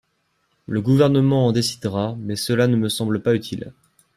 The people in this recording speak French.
Le Gouvernement en décidera, mais cela ne me semble pas utile.